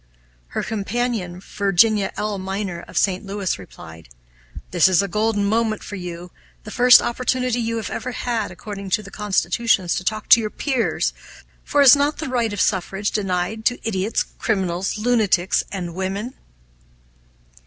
Her companion, Virginia L. Minor of St. Louis, replied: "This is a golden moment for you, the first opportunity you have ever had, according to the constitutions, to talk to your 'peers,' for is not the right of suffrage denied to 'idiots, criminals, lunatics, and women'?"